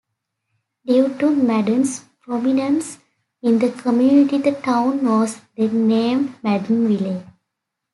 Due to Madden's prominence in the community the town was then named Maddenville.